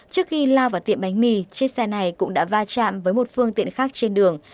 trước khi lao vào tiệm bánh mì chiếc xe này cũng đã va chạm với một phương tiện khác trên đường